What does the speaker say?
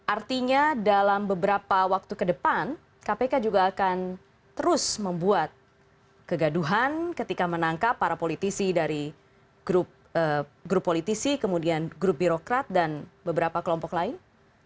artinya dalam beberapa waktu ke depan kpk juga akan terus membuat kegaduhan ketika menangkap para politisi dari grup politisi kemudian grup birokrat dan beberapa kelompok lain